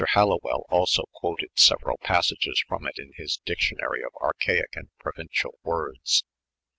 Halliwell also quoted several passages from it in his Dictionary of Archaic and Promncial Words.